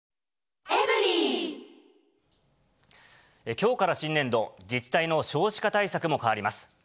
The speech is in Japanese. きょうから新年度、自治体の少子化対策も変わります。